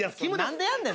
何でやんねん。